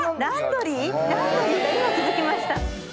ランドリーは今気づきました。